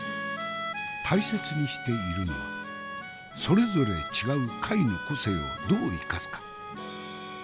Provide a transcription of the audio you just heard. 大切にしているのはそれぞれ違う貝の個性をどう生かすか。